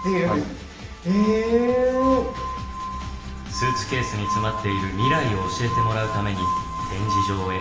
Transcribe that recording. スーツケースに詰まっている未来を教えてもらうために展示場へ移動。